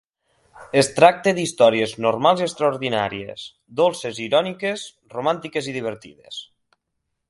Es tracta d'històries normals i extraordinàries, dolces i iròniques, romàntiques i divertides.